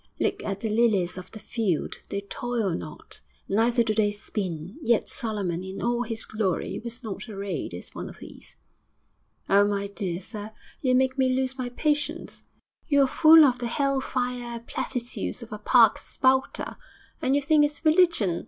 '"Look at the lilies of the field. They toil not, neither do they spin; yet Solomon in all his glory was not arrayed as one of these."'.... 'Oh, my dear sir, you make me lose my patience. You're full of the hell fire platitudes of a park spouter, and you think it's religion....